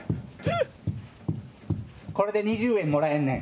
これで２０円もらえんねん。